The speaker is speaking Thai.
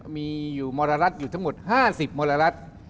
มีอยู่มรรัฐอยู่ทั้งหมด๕๐มรรัฐ